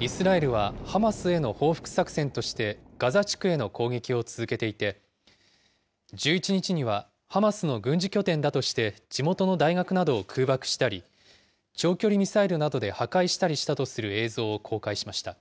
イスラエルはハマスへの報復作戦として、ガザ地区への攻撃を続けていて、１１日には、ハマスの軍事拠点だとして地元の大学などを空爆したり、長距離ミサイルなどで破壊したりしたとする映像を公開しました。